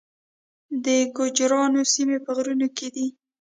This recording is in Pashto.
د ګوجرانو سیمې په غرونو کې دي